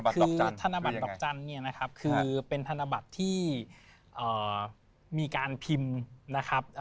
คือธนบัตรดอกจันทร์เนี่ยนะครับคือเป็นธนบัตรที่มีการพิมพ์นะครับ